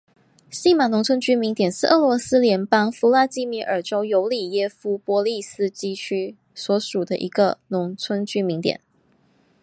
锡马农村居民点是俄罗斯联邦弗拉基米尔州尤里耶夫波利斯基区所属的一个农村居民点。